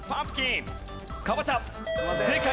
正解。